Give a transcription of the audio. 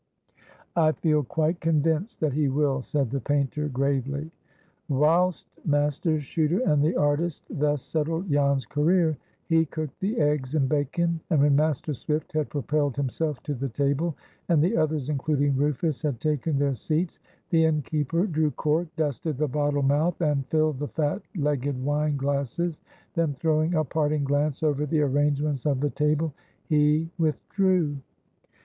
"I feel quite convinced that he will," said the painter, gravely. Whilst Master Chuter and the artist thus settled Jan's career, he cooked the eggs and bacon; and when Master Swift had propelled himself to the table, and the others (including Rufus) had taken their seats, the innkeeper drew cork, dusted the bottle mouth, and filled the fat legged wine glasses; then, throwing a parting glance over the arrangements of the table, he withdrew.